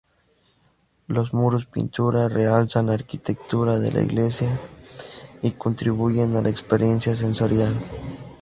Los muros-pintura realzan la arquitectura de la iglesia y contribuyen a la experiencia sensorial.